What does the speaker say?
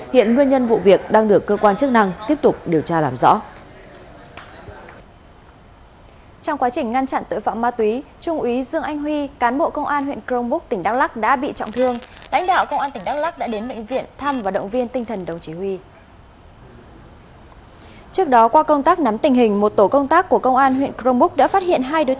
hiện nguyên nhân vụ việc đang được cơ quan chức năng tiếp tục điều tra làm rõ